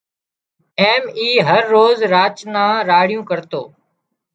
ايم اي هروز راچا نان راڙيون ڪرتو